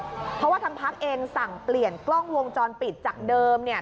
เพราะว่าทางพักเองสั่งเปลี่ยนกล้องวงจรปิดจากเดิมเนี่ย